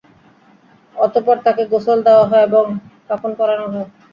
অতঃপর তাকে গোসল দেওয়া হয় এবং কাফন পরানো হয়।